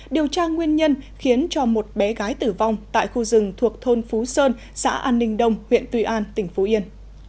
điều tra nguyên nhân khiến cho một bé gái tử vong tại khu rừng thuộc thôn phú sơn xã an ninh đông huyện tuy an tỉnh phú yên